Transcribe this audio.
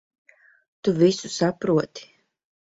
Tu visu saproti.